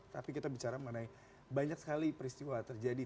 tapi kita bicara mengenai banyak sekali peristiwa terjadi